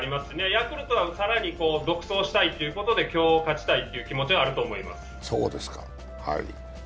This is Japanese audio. ヤクルトは更に独走したいということで、今日、勝ちたいという気持ちはあると思います。